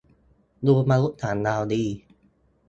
ดูมนุษย์ต่างดาวดี